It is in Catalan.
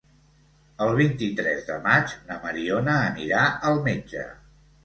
El vint-i-tres de maig na Mariona anirà al metge.